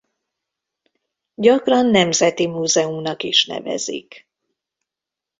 Gyakran nemzeti múzeumnak is nevezik.